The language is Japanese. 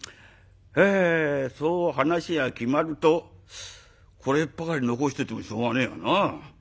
えそう話が決まるとこれっぱかり残しててもしょうがねえよな。